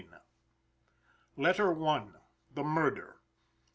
LETTER I. THE MURDER.